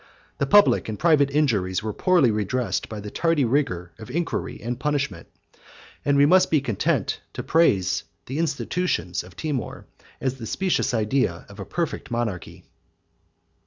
The public and private injuries were poorly redressed by the tardy rigor of inquiry and punishment; and we must be content to praise the Institutions of Timour, as the specious idea of a perfect monarchy.